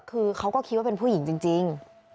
คือเขาก็คิดว่าเป็นผู้หญิงจริง